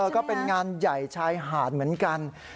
ก็เป็นงานใหญ่ชายหาดเหมือนกัน